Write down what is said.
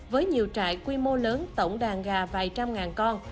với nhiều trại quy mô lớn tổng đàn gà vài trăm ngàn con